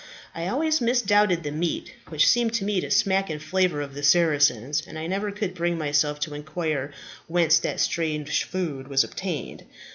I always misdoubted the meat, which seemed to me to smack in flavour of the Saracens, and I never could bring myself to inquire whence that strange food was obtained.